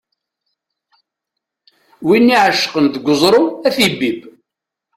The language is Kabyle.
Win iεecqen deg uẓru ad t-ibbib.